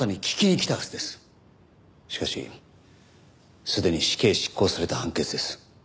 しかしすでに死刑執行された判決です。